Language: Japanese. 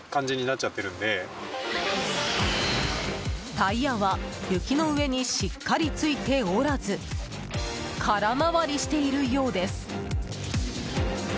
タイヤは雪の上にしっかり着いておらず空回りしているようです。